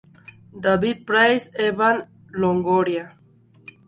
David Price, Evan Longoria.